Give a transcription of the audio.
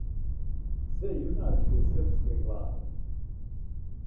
Све јуначке српске главе.